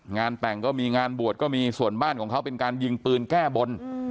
งานแต่งก็มีงานบวชก็มีส่วนบ้านของเขาเป็นการยิงปืนแก้บน